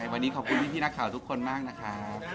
วันนี้ขอบคุณพี่นักข่าวทุกคนมากนะครับ